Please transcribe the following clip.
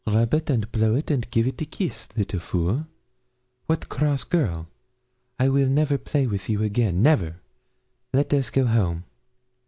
'Rub it and blow it and give it a kiss, little fool! What cross girl! I will never play with you again never. Let us go home.'